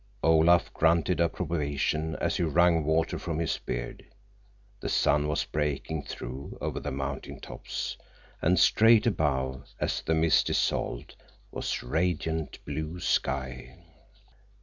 Olaf grunted approbation as he wrung water from his beard. The sun was breaking through over the mountain tops, and straight above, as the mist dissolved, was radiant blue sky.